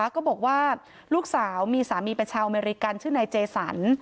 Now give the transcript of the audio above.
ก็บอกว่าลูกสาวมีสามีเป็นชาวอเมริกันชื่อนายเจสัน